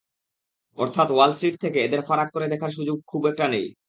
অর্থাৎ Wall Street থেকে এদের ফারাক করে দেখার সুযোগ খুব একটা নেই।